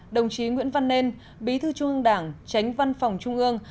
đồng chí nguyễn văn nên bí thư trung ương đảng tránh văn phòng trung ương